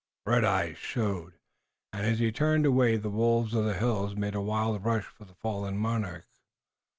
Red eyes showed, and as he turned away the wolves of the hills made a wild rush for the fallen monarch.